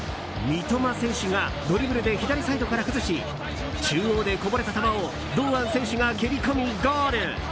三笘選手がドリブルで左サイドから崩し中央でこぼれた球を堂安選手が蹴り込み、ゴール。